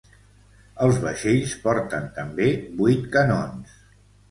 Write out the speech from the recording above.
El vaixells porten també vuit canons.